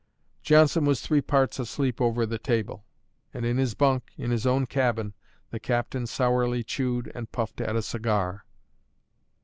Johnson was three parts asleep over the table; and in his bunk, in his own cabin, the captain sourly chewed and puffed at a cigar.